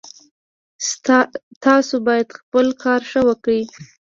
تاسو باید خپل کار ښه وکړئ